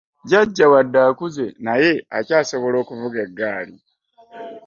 Jjajja wadde akuze naye era akyasobola okuvuga eggaali.